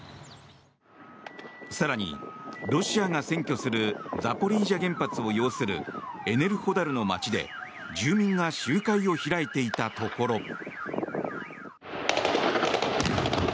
更に、ロシアが占拠するザポリージャ原発を擁するエネルホダルの街で住民が集会を開いていたところ。